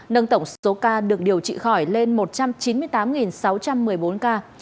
nâng tổng số ca được điều trị khỏi lên một trăm chín mươi tám sáu trăm một mươi bốn ca